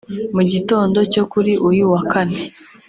Mu gitondo cyo kuri uyu wa kane